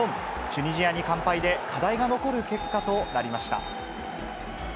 チュニジアに完敗で、課題が残る結果となりました。